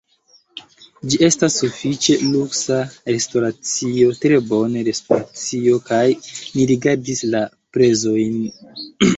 ĝi estas sufiĉe luksa restoracio tre bone restoracio kaj ni rigardis la prezojn